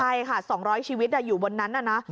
ใช่ค่ะ๒๐๐ชีวิตอยู่บนนั้นน่ะนะ